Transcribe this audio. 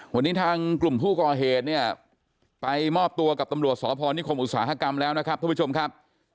วันนี้ทางกลุ่มผู้ก่อเหตุเนี่ยไปมอบตัวกับตำรวจสพนิคมอุตสาหกรรมแล้วนะครับท่านผู้ชมครับ